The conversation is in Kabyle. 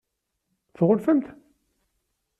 Tɣunfamt-t?